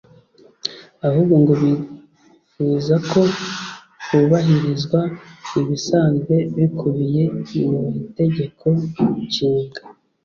ahubwo ngo bifuza ko hubahirizwa ibisanzwe bikubiye mu Itegeko Nshinga